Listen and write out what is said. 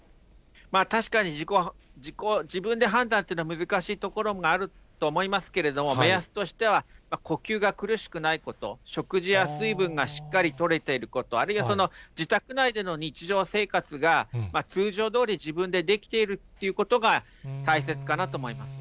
確かに自己、自分で判断というのは難しいところがあると思いますけれども、目安としては呼吸が苦しくないこと、食事や水分がしっかりとれていること、あるいは自宅内での日常生活が通常どおり、自分でできているっていうことが大切かなと思います。